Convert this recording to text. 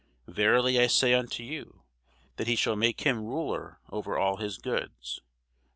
Verily I say unto you, That he shall make him ruler over all his goods.